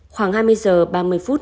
khoảng hai mươi giờ ba mươi phút